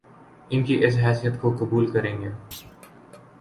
ان کی اس حیثیت کو قبول کریں گے